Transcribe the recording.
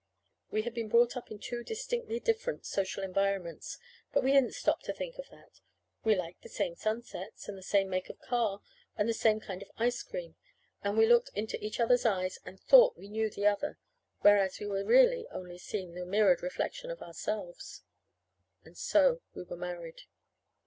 We had been brought up in two distinctly different social environments, but we didn't stop to think of that. We liked the same sunsets, and the same make of car, and the same kind of ice cream; and we looked into each other's eyes and thought we knew the other whereas we were really only seeing the mirrored reflection of ourselves. And so we were married.